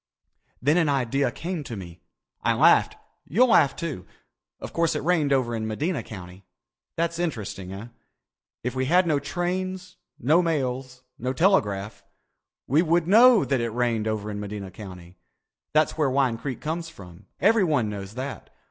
"Then an idea came to me. I laughed. You'll laugh, too. Of course it rained over in Medina County. That's interesting, eh? If we had no trains, no mails, no telegraph, we would know that it rained over in Medina County. That's where Wine Creek comes from. Everyone knows that.